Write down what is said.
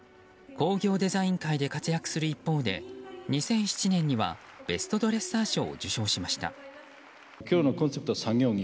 工業デザイン界で活躍する一方で２００７年にはベストドレッサー賞を受賞しました。